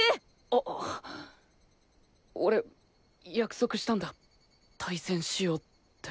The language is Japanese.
あ俺約束したんだ対戦しようって。